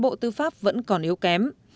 bộ tư pháp vẫn còn yếu kém